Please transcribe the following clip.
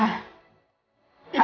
iya aku tau pak